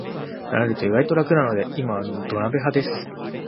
慣れると意外と楽なので今は土鍋派です